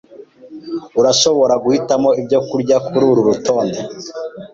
Urashobora guhitamo ibyo kurya kururu rutonde.